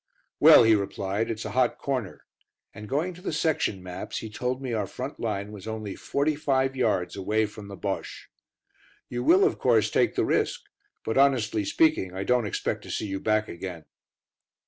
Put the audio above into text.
"Well," he replied, "it's a hot corner," and going to the section maps he told me our front line was only forty five yards away from the Bosche. "You will, of course, take the risk, but, honestly speaking, I don't expect to see you back again."